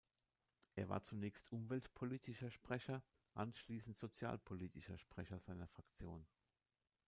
Er war zunächst umweltpolitischer Sprecher, anschließend sozialpolitischer Sprecher seiner Fraktion.